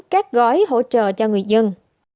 các gói hỗ trợ cho người dân